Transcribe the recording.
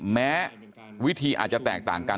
แม้วิธีอาจจะแตกต่างกัน